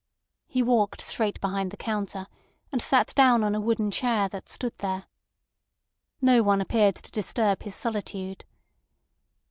He walked straight behind the counter, and sat down on a wooden chair that stood there. No one appeared to disturb his solitude.